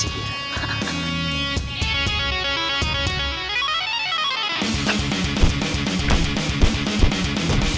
iya ada apa ini